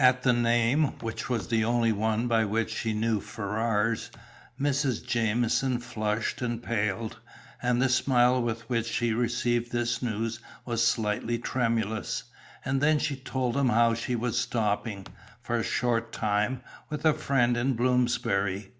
At the name, which was the only one by which she knew Ferrars, Mrs. Jamieson flushed and paled, and the smile with which she received this news was slightly tremulous. And then she told them how she was stopping, for a short time, with a friend in Bloomsbury.